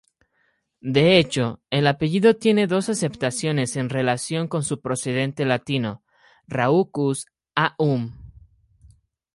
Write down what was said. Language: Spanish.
De hecho el apellido tiene dos acepciones en relación con su precedente latino: "raucus-a-um".